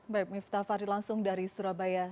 baik miftah fari langsung dari surabaya